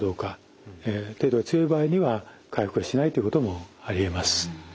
程度が強い場合には回復しないということもありえます。